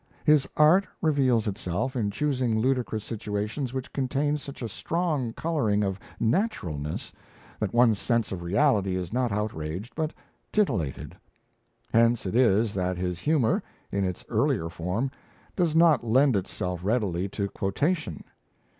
His art reveals itself in choosing ludicrous situations which contain such a strong colouring of naturalness that one's sense of reality is not outraged, but titillated. Hence it is that his humour, in its earlier form, does not lend itself readily to quotation.